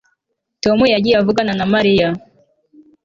Tom yagiye avugana na Mariya